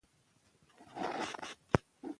د ښوونځیو کتابونه باید معیاري ژبه ولري.